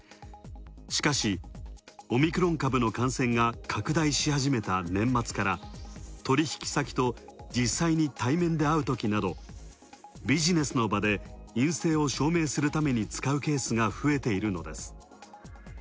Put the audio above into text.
しかし、オミクロン株の感染が拡大し始めた年末から取引先と実際に対面で会うときなどビジネスの場で陰性を証明する使うケースが増えているのです。